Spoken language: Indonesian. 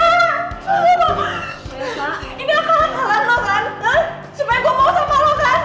supaya gua mau sama lu kan